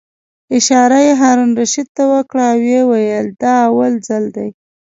اشاره یې هارون الرشید ته وکړه او ویې ویل: دا اول ځل دی.